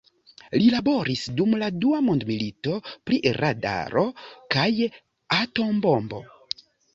Li laboris dum la dua mondmilito pri radaro kaj atombombo.